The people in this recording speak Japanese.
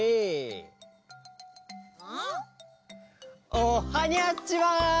おっはにゃっちは！